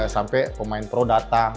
sampai pemain pro datang